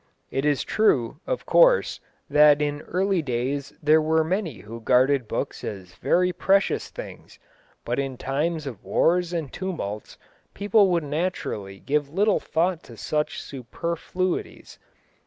It is true, of course, that in early days there were many who guarded books as very precious things, but in times of wars and tumults people would naturally give little thought to such superfluities.